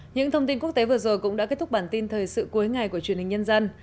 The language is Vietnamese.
những thông tin quốc tế vừa rồi cũng đã kết thúc bản tin thời sự cuối ngày của truyền hình nhân dân